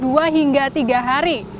dua hingga tiga hari